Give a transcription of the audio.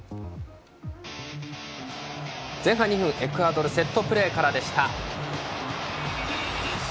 前半２分、エクアドルセットプレーからでした。